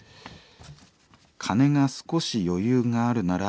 金が少し余裕があるなら美容院で」。